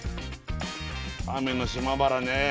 雨の島原ね